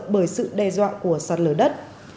bởi sự đe dọa của sạt lở đất